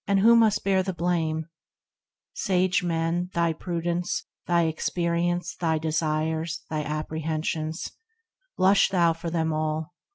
who must bear the blame ? Sage man, Thy prudence, thy experience, thy desires, Thy apprehensions — blush thou for them all.